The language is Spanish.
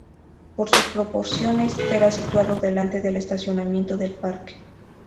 Por sus proporciones será situado delante del estacionamiento del parque.